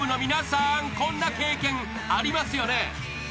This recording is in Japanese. ［こんな経験ありますよね？］